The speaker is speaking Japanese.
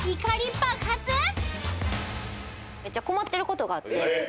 めっちゃ困ってることがあって。